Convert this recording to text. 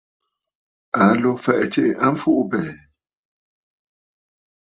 Aa lǒ fɛ̀ʼ̀ɛ̀ tsiʼi a mfuʼubɛ̀ɛ̀.